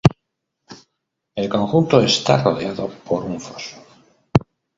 El conjunto está rodeado por un foso.